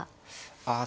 ああ